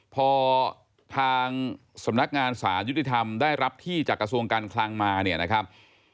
พอทางสำนักงานสารยุติธรรมได้รับที่จากกระทรวงการคลังมาเนี่ยนะครับ